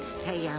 はい！